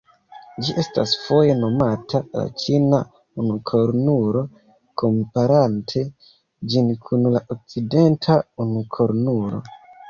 Ĝi estas foje nomata la "ĉina unukornulo", komparante ĝin kun la okcidenta unukornulo.